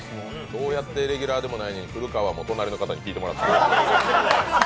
どうやってレギュラーでもないのに来るかは、隣の方に聞いてもらって。